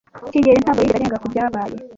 kigeli ntabwo yigeze arenga kubyabaye.